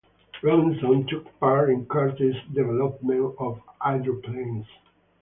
Robinson took part in Curtiss' development of hydroplanes.